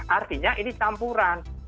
artinya ini campuran